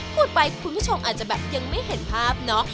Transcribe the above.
พูดไปคุณผู้ชมอาจจะแบบยังไม่เห็นภาพเนาะ